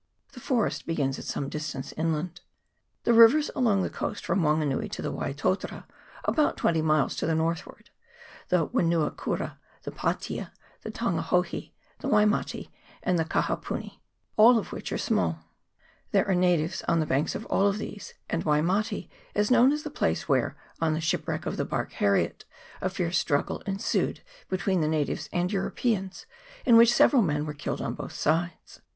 The forest begins at some distance inland. The rivers along the coast from Wanganui are the Waitotara, about twenty miles to the north ward, the Wenuakura, the Patea, the Tangahohi, the Waimate, and the Kakapuni, all of which are small. There are natives on the banks of all these, and Waimate is knowi as the place where, on the shipwreck of the barque Harriet, a fierce struggle ensued between the natives and Europeans, in which several men were killed on both sides.